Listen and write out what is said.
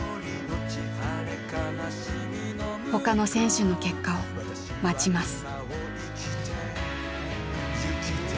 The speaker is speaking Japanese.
ほかの選手の結果を待ちます。